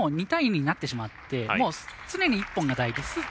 ２対２になってしまってもう常に１本が大事。